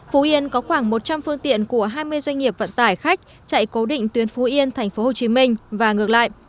phú yên có khoảng một trăm linh phương tiện của hai mươi doanh nghiệp vận tải khách chạy cố định tuyến phú yên thành phố hồ chí minh và ngược lại